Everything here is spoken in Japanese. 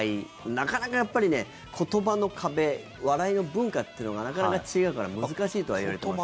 なかなかやっぱり言葉の壁笑いの文化というのがなかなか違うから難しいとはいわれてますが。